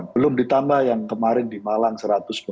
tujuh puluh delapan belum ditambah yang kemarin di malang seringkali